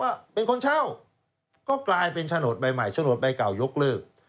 ว่าเป็นคนเช่าก็กลายเป็นโฉนดใบใหม่โฉนดใบเก่ายกเลิก